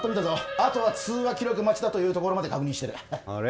あとは通話記録待ちだというところまで確認してるあれ